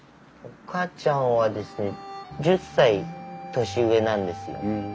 岡ちゃんはですね１０歳年上なんですよ。